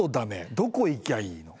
どこ行きゃいいの？